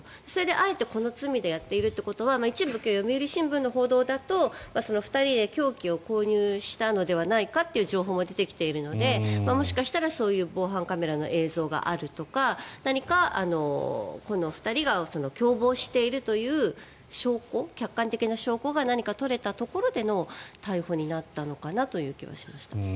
あえてこの罪でやっているのは一部読売新聞の報道だと２人で凶器を購入したのではないかという情報も出てきているのでもしかしたら防犯カメラの映像があるとか何かこの２人が共謀しているという証拠客観的な証拠が何か取れたところでの逮捕になったのかなという気はしました。